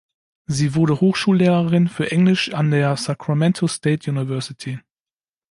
Sie wurde Hochschullehrerin für Englisch an der Sacramento State University.